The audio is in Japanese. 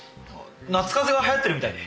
夏風邪が流行ってるみたいで。